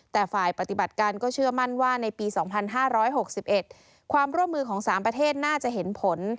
แต่ฝ่ายปฏิบัติการก็เชื่อมั่นว่าในปี๒๕๖๑ความร่วมมือของ๓ประเทศน่าจะเห็นผล